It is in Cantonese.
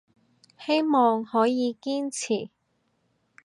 希望可以堅持